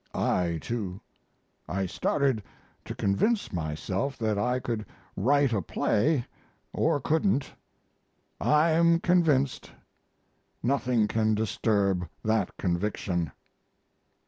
I too. I started to convince myself that I could write a play, or couldn't. I'm convinced. Nothing can disturb that conviction."